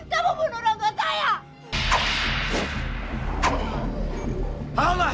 hai kamu bunuh orang tua saya